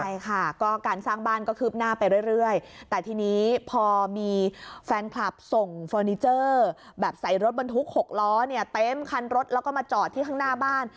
ใช่ค่ะก็การสร้างบ้านก็คืบหน้าไปเรื่อยแต่ทีนี้พอมีแฟนคลับส่งเฟอร์นิเจอร์แบบใส่รถบรรทุก๖ล้อเนี่ยเต็มคันรถแล้วก็มาจอดที่ข้างหน้าบ้าน